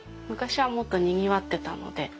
昔はもっとにぎわってたので。